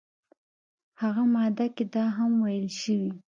همغه ماده کې دا هم ویل شوي